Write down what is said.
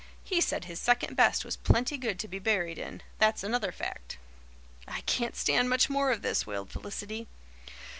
He said his second best was plenty good to be buried in. That's another fact." "I can't stand much more of this," wailed Felicity.